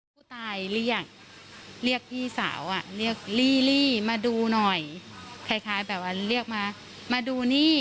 ผู้ตายเรียกเรียกพี่สาวอ่ะเรียกลี่มาดูหน่อยคล้ายแบบว่าเรียกมามาดูนี่